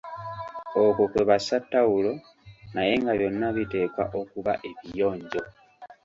Okwo kwebassa ttawulo, naye nga byonna biteekwa okuba ebiyonjo.